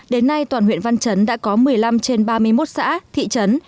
đến nay toàn huyện văn chấn đã có một mươi năm trên ba mươi một xã thị trấn